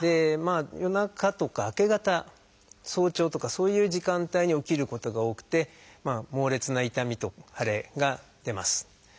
夜中とか明け方早朝とかそういう時間帯に起きることが多くて猛烈な痛みと腫れが出ます。